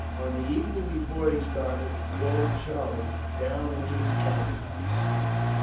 On the evening before he started, he called Charlie down into his counting house.